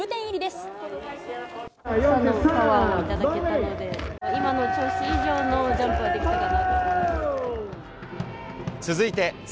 たくさんのパワーを頂けたので、今の調子以上のジャンプはできたかなと思います。